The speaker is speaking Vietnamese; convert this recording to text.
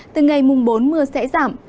từ ngày bốn mưa sẽ giảm